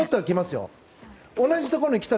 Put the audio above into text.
同じところに来た。